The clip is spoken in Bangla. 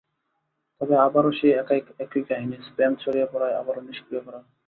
তবে আবারও সেই একই কাহিনি—স্প্যাম ছড়িয়ে পড়ায় আবারও নিষ্ক্রিয় করা হয়।